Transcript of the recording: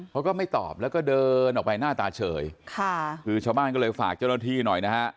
เขาก็ไม่ตอบแล้วก็เดินออกไปหน้าตาเฉยค่ะคือชาวบ้านก็เลยฝากเจ้าหน้าที่หน่อยนะฮะ